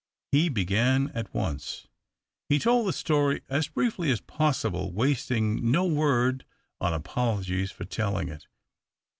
He began at once. He told the story as briefly as possible, wasting no word on apologies for telling it.